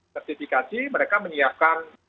sertifikasi mereka menyiapkan